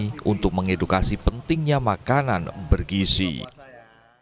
penyelenggara mengatakan program ini banyak melibatkan elemen masyarakat dan dalam acara ini